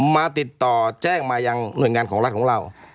มาติดต่อแจ้งมายังหน่วยงานของรัฐของเรา